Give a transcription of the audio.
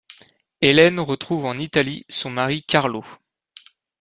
Hélène retrouve en Italie son mari Carlo.